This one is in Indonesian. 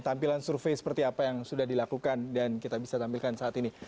tampilan survei seperti apa yang sudah dilakukan dan kita bisa tampilkan saat ini